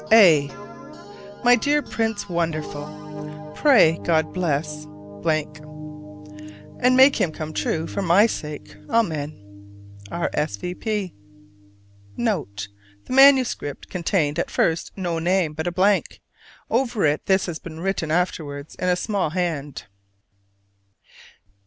A. my dear Prince Wonderful, Pray God bless and make him come true for my sake. Amen. R.S.V.P. [Footnote 1: The MS. contained at first no name, but a blank; over it this has been written afterwards in a small hand.